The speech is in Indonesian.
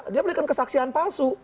dia belikan kesaksian palsu